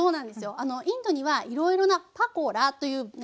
インドにはいろいろな「パコラ」というね